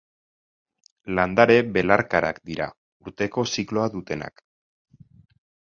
Landare belarkarak dira, urteko zikloa dutenak.